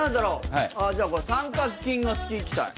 じゃあ「三角筋が好き」いきたい。